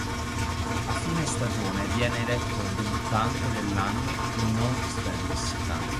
A fine stagione viene eletto debuttante dell'anno in Allsvenskan.